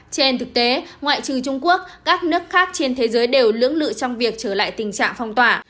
trên thực tế ngoại trừ trung quốc các nước khác trên thế giới đều lưỡng lự trong việc trở lại tình trạng phong tỏa